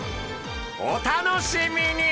お楽しみに。